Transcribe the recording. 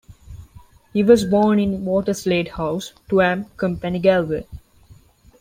He was born in Waterslade House, Tuam, Company Galway.